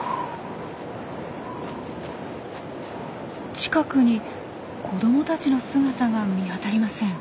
近くに子どもたちの姿が見当たりません。